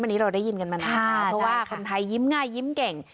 วันนี้เราได้ยินกันมานานเพราะว่าคนไทยยิ้มง่ายยิ้มเก่ง